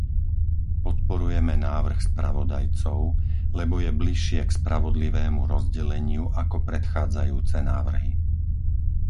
Podporujeme návrh spravodajcov, lebo je bližšie k spravodlivému rozdeleniu ako predchádzajúce návrhy.